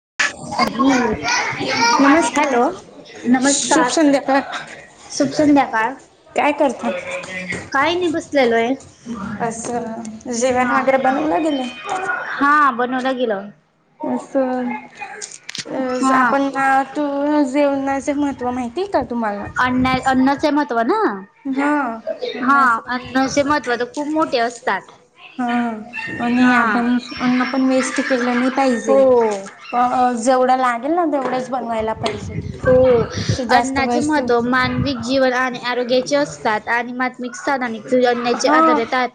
[unintelligible] Hello नमस्कार. शुभ संध्याकाळ काय नाही बसलेलोय. हा हा बनवलं गेलं असन [unintelligible] अ ज आपण अ तू जेवणाचे महत्त्व माहितीये काय तुम्हाला? हा [unintelligible] हा. आणि आपण अन्न पण वेस्ट केलं नाही पाहिजे प जेवढा लान हो अन्नाचे महत्व मानवी जीवन आणि आरोग्याचे असतात आणि मत्मिक [unintelligible] [unintelligible] आर्द्रता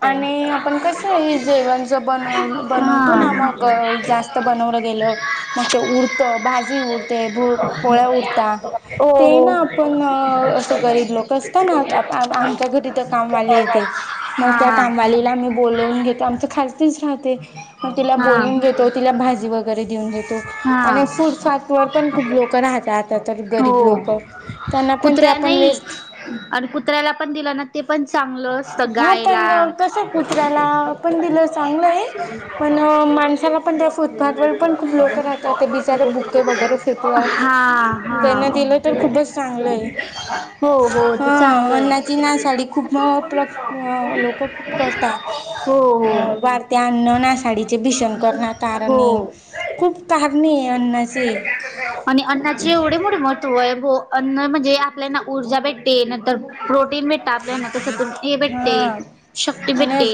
हाय हा अ जास्त बनवलं गेलं मग ते उरतं भाज हो ते भो पोळ्या उरता ते ना आपण अ अस गरीब लोक असत न आम आम आमच्या घरी तर कामवालीये ते मग त्या कामवालीला आम्ही बोलवून घेतो, आमच खालतीच राहते मग तिला बोलून घेत तो तिला भाजी वगैरे देऊन देतो आणि सुडसाट हो कुत्र्या नाही आणि कुत्र्या ला पण दिल ना ते पण चांगल असत गायला [unintelligible] ते वगैरे [unintelligible] त्यांना दिलं तर खूपच चांगलंये. हा अन्नची नासाडी खूप म [unintelligible] लोकं खूप करता अ वााडत्या अन्न नासाडीचे भीषण करणा कारणे खूप कारणे अन्न आणि अन्नाचे एवढे मोठे महत्वये हो अन्न म्हणजे आपल्याना ऊर्जा भेटते न तर प्रोटीन भेटत आपल्याना कस दु हे भेटते‌ शक्ती भेटते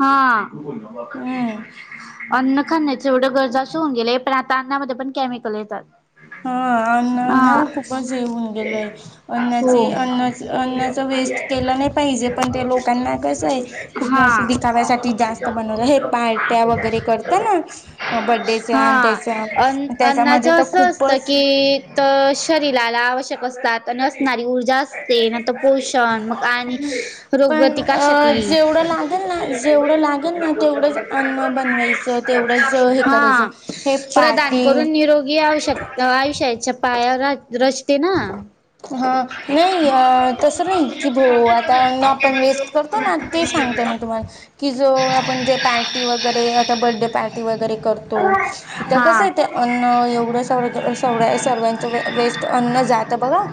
हा. अन्न खाण्याची एवढं गरजा अस होऊन गेले पण आता अन्नामध्ये पण कॅमिकल येतात. हा हो. हा. हा अन अन्नाच असं असत की त शरीराला आवश्यक असतात नसणारी ऊर जास्ते नाही तर पोषण मग आणि रोगप्रतिकारशक्ली [unintelligible] हा प्रधान करून निरोगी आयुषक आयुष्या चा पायावर रा रचते ना हा नाही अ तस नाही की भो आता न आपण वेस्ट करतो ना ते सांग तुम्हाला की ज आपण जे पार्टी वगैरे बर्डे पार्टी वगैरे करतो तिथ कसं आहे अन्न एवढ वेस् अन्न जात बघा.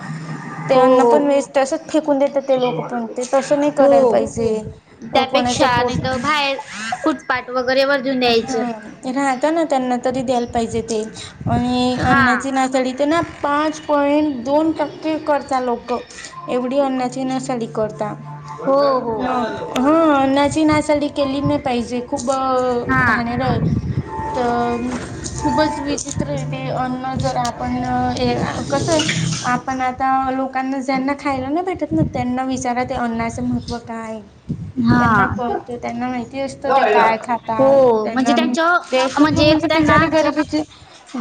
त्यांना पण वेच तच फेकून देतात ते लोक पण ते तसं नाही करायला पाहिजे कोणा शाळा नाहीतर तर बाहेर फुटपाट वगैर हा राहता ना त्यांना तरी द्यायला पाहिजे ते आणि अन्नाची नासाडी तर ना पाच पॉईंट दोन टक्के करत लोकं एवढी अन्नाची नासाली करता म हा अन्नाची नासाली केली नाही पाहिजे खूप घाणेर तर खूपच विचित्र येते अन्न जर आपण कसं आहे. आप प आता लोकांना ज्यांना खायला ना भेटत ना त्यांना विचारात हे अन्नाचं महत्व काय आहे. त्यांना पहतो त्यांना माहिती असतो ते काय खाता त्यांना ते खूप म्हणे बिचारे गरिबी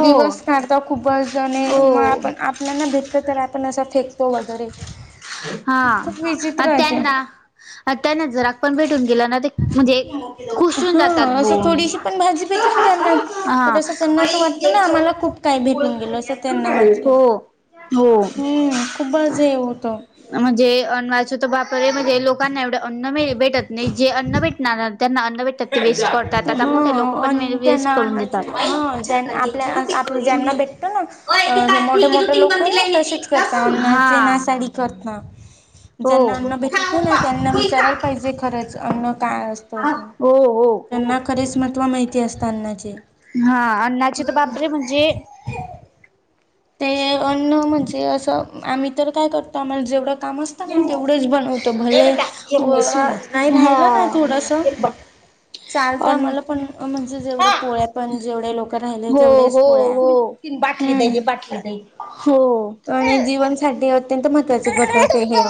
दिवस काढत खूपच जणे मग आपण आपल्याना भ तर आपण असं फेकतो वगैरे हा अ त्यांना त्यांना जरा पण भेटून गेलं ना ते म्हणजे हा असं थोडीशी पण भाजी पेटली ना त्यांना तर असं त्यांना असं वाटलं ना आम्हाला खूप काय भेटून गेलो असं त्यांना वाटलं हम्म खूपज होतं. म्हणजे अन्नाची बापे मध्ये लोांना एवढे अन्न भेटत नाही जे अन्न भेटणार त्यां अन्न भेट वेस्ट करतात आता मोठे लोक पण वेस्ट करून देतात. भेटतो ना मोठे मोठे लोक ना तसेच करतात अन्नाचे नासाडी करतात. ज्यांना अन्न भेटत ना त्यांना विचारायला पाहिजे खरंच अन्न काय असतं असं. त्यांना खरेच महत्त्व माहिती असत अण्णाचे हा अन्नाची तर बाप रे म्हणजे ते अन्न म्हणजे असं आम्ही तर काय करतो आम्हाला जेवढं काम असत ना तेवढंच बनवत भले अ नाही राहिलं ना थोडस चालत आम्हाला पण म्हणजे जेवढ पोळ्या पण जेवढे लोक राहिले तेवढेच पोळ्या त बाटली जाई बाटली जाई हो. आणि जीवनसाठीठी अत्यंत महत्वाचे घटक हे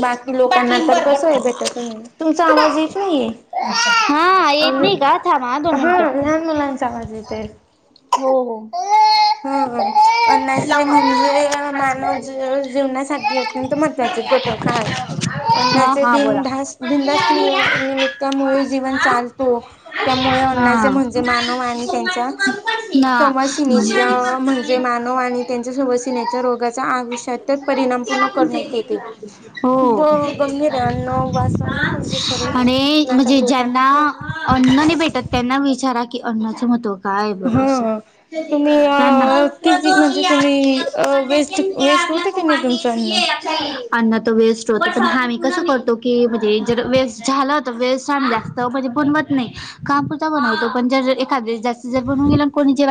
बाकी लोकांना तर कसं आहे भेटयच नाही तुमचा आवाज यच नाहीये. हा येत नाही का थांबा दोन मिनिटं हो. ह अन्नाची म्हणजे मानवजे जेवण्यासाठी अस तर मचच गोट खा. अन्नाचे बन बिनदास निमित्तामुळे जीवन चालतो त्यामुळे अ म्हणजे मानवआणि त्यांच्या स [unintelligible] म्हणजे मानव आणि त्यांच्या [unintelligible] च्या रोगाचा [unintelligible] परिणाम पूर्ण करण्यात येते खूप गंभीर आहे अन्न वाचावायला पाहि आणि म्हणजे ज्यांना अन्न नाही भेटत त्यांना विचारा की अन्नाचं महत्व. काय बरंं [unintelligible] अन मग तो वेज- पण आम्ही कसं करतो की म्हणजे जर वेळेस झालं तर वेळ सां असत म्हणजे प म नाही कापुरता बनवतो पण जर एखादस जास्त जर बनून गेल कोणी जे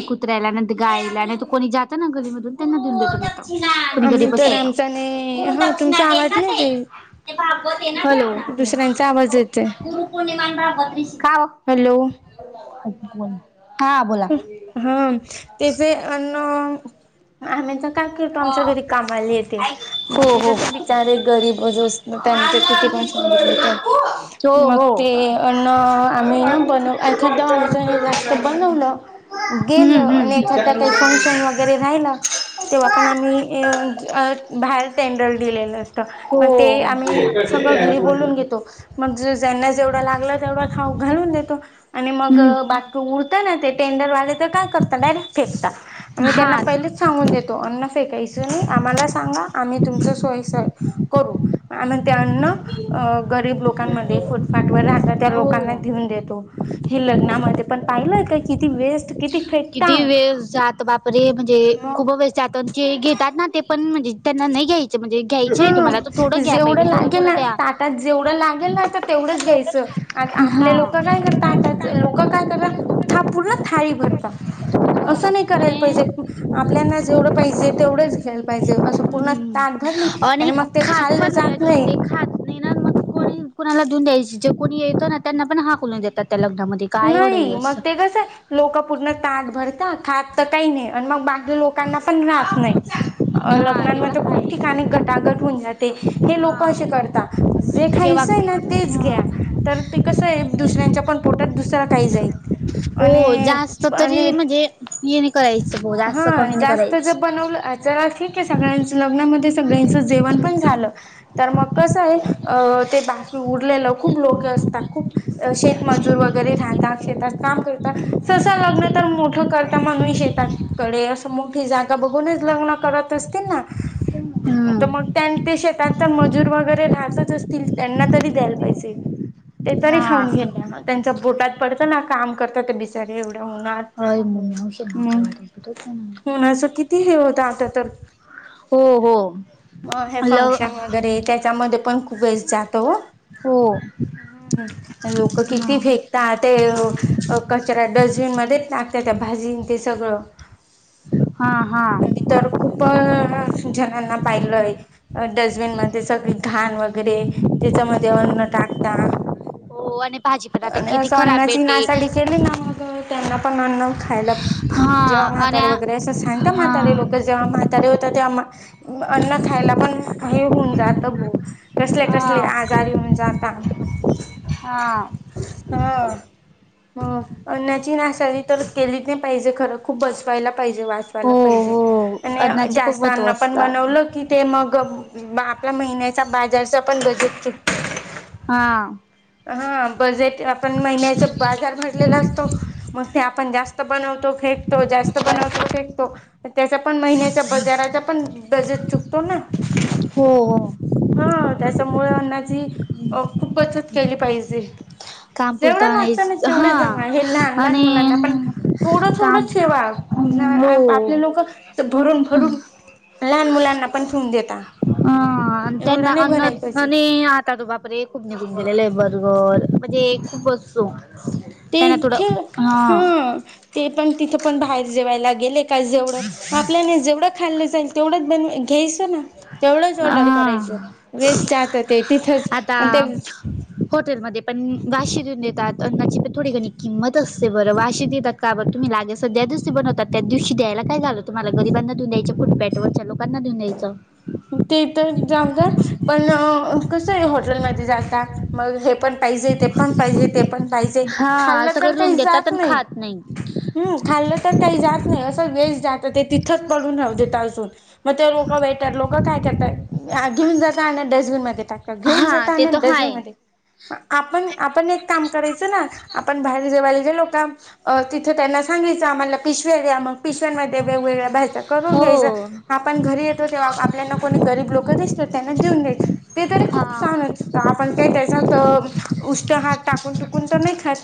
[unintelligible] कुत्र्यायला गायला नाही त कोणी जात ना गलीमध [unintelligible] [unintelligible] [unintelligible] काओ [unintelligible] हा त्याचे अ आम्ही का तो आमच्या घरी कामाला येते मग त बिचारे आहे गरीब जो अस त्यांच किती [unintelligible] मग ते अन्न आम्ही ना बन एखा आम [unintelligible] जास्त बनवलं गेलं आणि एखादा फंकशन वगैरे काही राहिला त आपण आम्ही बाहेर टेंडर दिलेलं असत. मग ते आम्ही सगळ घरी बोलून घेतो. मग ज्यांना जेवढं लागलं तेवढा खाऊ घालून देतो आणि मग बाकी उरत ना ते ते काय करता डायरेक्ट फेकता आम्ही त्यांना पहिले च सांगून देतो, अन्न फेकायच नाही आम्हाला सांगा आम्ही तुमच्या सोयी साठी करू [unintelligible] त्यांनां गरीब लोकांमध्ये फुटपाथ वर राहता त्या लोकांना घेऊन देतो. लग्नामध्ये पण पाहिलंय काय किती वेस्ट किती वेळ जात बापरे म्हणजे खूप वेळेस जात ते घेतात ना ते पण म्हणजे त्यांना नाही घ्यायचं हम जेवढं लागेल ना ताटात जेवढं लागेल ना तर तेवढंच घ्यायचं. आ आपल्या लोक काय करतात आता लोक काय करत पूर्ण थाळी भ अस नाही करायला पाहिजे आपल्याना जेवढं पाहिजे तेवढंच खला पाहिजे असं पूर्ण ताट भरली. आणि खात पण नाही अजून ते खात नाही ना मग कोणी कुणाला देऊन द्यायची जे कोणी येतो ना त्यांना पण हाकलून देतात. नाही मग ते कस आहे लोक पूर्ण ताट भरतात खात तर काही नाही आणि मग बाकी लोकांना पण राहत नाही लग्नामधे खूप ठिकाणी [unintelligible] गटवन जाते हे लोक असे करतात. जे खायचं आहे ना तेच घ्या तर ते कसं आहे दुसऱ्यांच्या पण पोटात दुसऱ्या त्याला काही जाईल. हो जास्त तरी म्हणजे ये हा जास्त जर बनवलं चला ठीक आहे सगळ्यांच ल लग्नामध्ये सगळ्यांचं जेवण पण झालं तर मग कस आहे ते बाकी उरलेलं खूप खूप लोक असतात खूप शेतमजूर वगैरे राहतात शेतात काम करतात तस लग्नतर मोठं करता म्हणून शेताकडे अस मोठी जागा बघूनच लग्न करत असतील ना. तर मग त्यां ते शेतचा मजूर वगैरे राहतच असतील त्यांना तरी द्यायला पाहिजे. ते तरी खाऊन घे [unintelligible] त्यांच्या बोटात पडतं ना काम करत ते बिचारे एवढ ह म्ह हम् उन्हाच किती हे होत आता तर मग हे फंक्शन वगैरे त्याच्यामध्ये पण खूप वेळ जात हो ह [unintelligible] लोक किती फेकतात ते कचरा डस्टबिन मध्येच टाकतात. भाजी ते सगळं मी तर खूप जणांना पाहिलं डस्टबिन मध्ये सगळे घाण वगैरे त्याच्यामध्ये अन्न टाकता आणि असं अन्नाची नासाडी केली ना मग त्यांना पण अन्न खायला जेव्हा म्हातारे वगैरे असं सांगता म्हातारे लोक जेव्हा म्हातारे होता तेव्हा अन्न खायला पण हे होऊन जातं भा कसले कसले आजारी होऊन जातात हा ह अण्णाची ना त्यानी तर केली नाही पाहिजे खरं खूपच यला पाहिजे वाचवायला पाहिजे आणि जास्त अन्न पण बनवलं की ते मग आपला महिन्याचा बाजारचा पण बजेट हा हा बजेट आपण महिन्याच बाजार भरलेला असतो मग ते आपण जास्त बनवतो फेकतो जास्त बनवतो फेकतो त्याचा पण महिन्याचा बजाराचा पण बजेट चुकतो ना, हो. हा त्याच्यामुळ अन्नाची अ खूप बचत केली पाहिजे. जेवढं लागतं ना, तेवढं हे लहान लहान मुलांना पण. थोडं थोडं ठेवा आपले लोक भरून, भरून लहान मुलांना पण ठेवून देता. अ आणि त्यांना आनत [unintelligible] आता तो बापरे खूप निघून गेलेले आहे. वर म्हणजे खूपच जो. तेथे हा ते पण तिथ पण बाहेर जेवायला गेले. का जेवढं आपल्याने जेवढं खाल्लं जाईल तेवढंच बन घ्यायचं ना, तेवढंच ऑर्डर करायची. वेस् जात ते आता हॉटेलमध्ये पण बाशी देऊन देतात. तंनाची प थोडी घणी किंमत असते बर बाशी देतात का बरं तुम्ही लागे सध्या दिवशी बवात त्या दिवशी द्यायला मला काय झालं तुम्हाला गरिबांना देऊन द्यायं कुठ पॅटवरच्या लोकांना देऊन द्यायचं. ऊ पण कस आहे हॉटेलमध्ये जात म पण पाहिजे ते पण पाहिजे ते पण पाहिजे खाल्लं तर काही जात नाही. हम्म खाल्लं तर काही जात नाही असं वेज जातं ते तिथंच पडून देता अजून. म ते लोकं वेटर लोकं काय करतात. घेऊन जाता आणि डस्बिन मध्ये टाकतात. घेऊन जाता आणि डस्बिन म्ह [unintelligible] आपण आपण एक काम करायचं ना, आपण बाहेर जवालेच्या लोक तिथं त्यांना सांगित पिस आम्हाला पिश मग पिशव्यांमध्ये वेग, वेगळ्या भाज्या करून घ्यायच. आपण घरी येतो तेव्हा आपल्याना कोणी गरीब लोक दिसतात. त्यांना देऊन दयायच. ते तरी खूप छानच आपण काही त्याच्यात उष्ट हात टाकून टुकून तर नाही खत.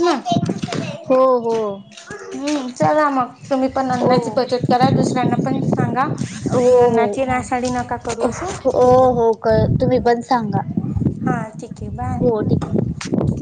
हो हो. हम्म चला मग तुम्ही पण अन्नाची बचत करा दुसऱ्यांना पण सांगा. अन्नाची नासाडी नका करू अस ठीक आहे. हा ठीक आहे बाय.